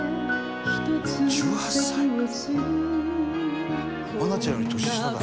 「１８歳」「愛菜ちゃんより年下だ」